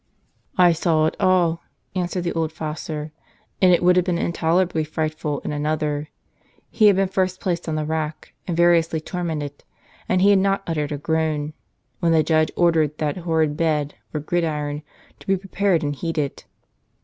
" I saw it all," answered the old fossor, " and it would have been intolerably frightful in another. He had been first placed on the rack, and variously tormented, and he had not * A. D. 258. f Prudentius, in his hymn on St. Laurence. uttered a groan; when the judge ordered that horiid bed, or gridiron, to be prepared and heated.